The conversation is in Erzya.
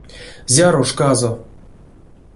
Зяро шказо?